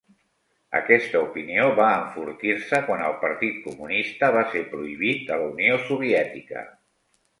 Aquesta opinió va enfortir-se quan el Partit Comunista va ser prohibit a la Unió Soviètica.